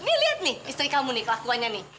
ini lihat nih istri kamu nih kelakuannya nih